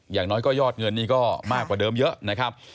อย่างน้อยก็ยอดเงินนี่ก็มากกว่าเดิมเยอะนะครับ